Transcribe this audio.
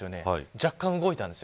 若干動いたんです。